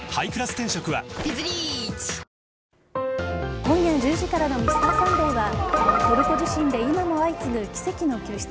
今夜１０時からの「Ｍｒ．サンデー」はトルコ地震で今も相次ぐ奇跡の救出。